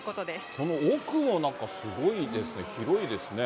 その奥もなんかすごいですね。